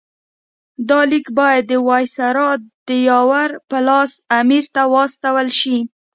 دا لیک باید د وایسرا د یاور په لاس امیر ته واستول شي.